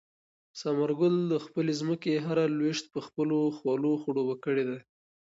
ثمر ګل د خپلې ځمکې هره لوېشت په خپلو خولو خړوبه کړې ده.